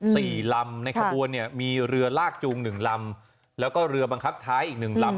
สี่ลำในขบวนเนี่ยมีเรือลากจูงหนึ่งลำแล้วก็เรือบังคับท้ายอีกหนึ่งลำ